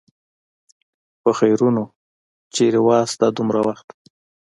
پخيرونو! چېرې وې دا دومره وخت؟